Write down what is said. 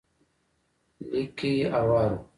ليکي هوار و.